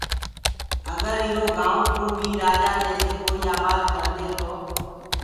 اگر ايٚرو گآئو ڪو بيٚ رآجآ جيسي ڪوئيٚ آبآد ڪردي تو